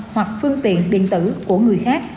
hoặc phương tiện điện tử của người khác